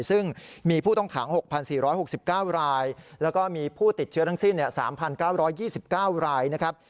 ซึ่งมีผู้ต้องขัง๖๔๖๙รายแล้วก็มีผู้ติดเชื้อทั้งสิ้น๓๙๒๙รายนะครับ